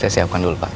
saya siapkan dulu pak